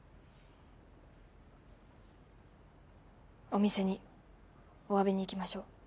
お店におわびに行きましょう。